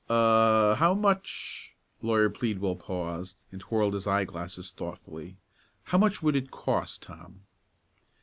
"A how much" Lawyer Pleadwell paused, and twirled his eye glasses thoughtfully "how much would it cost, Tom?"